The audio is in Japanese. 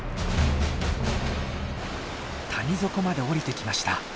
谷底まで下りてきました。